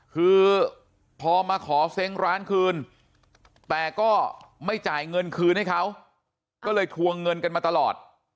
คือพอมาขอเซ้งร้านคืนแต่ก็ไม่จ่ายเงินคืนให้เขาก็เลยทวงเงินกันมาตลอด